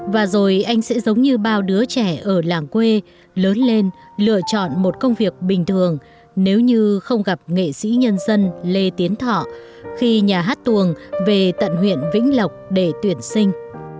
và rồi anh sẽ giống như bao đứa trẻ ở làng quê lớn lên lựa chọn một công việc bình thường nếu như không gặp nghệ sĩ nhân dân lê tiến thọ khi nhà hát tuồng về tận huyện vĩnh lộc để tuyển sinh